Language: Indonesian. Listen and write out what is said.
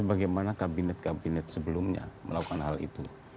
bagaimana kabinet kabinet sebelumnya melakukan hal itu